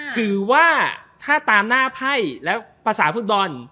ถือว่าถ้าตามหน้าไพ่แล้วภาษาฟุตบอล